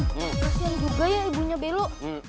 kasian juga ya ibunya belok